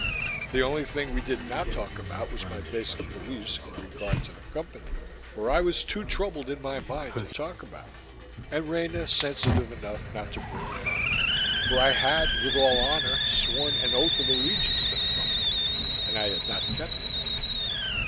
The only thing we did not talk about was my basic beliefs in regard to the Company. For I was too troubled in my mind to talk about them, and Rena sensitive enough not to bring them up. For I had, with all honor, sworn an oath of allegiance to the Company; and I had not kept it.